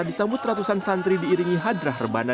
disambut ratusan santri diiringi hadrah rebana